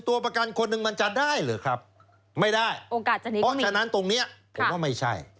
ตัวประกันคนหนึ่งมันจะได้หรือครับไม่ได้โอกาสจะนี้เพราะฉะนั้นตรงเนี้ยผมว่าไม่ใช่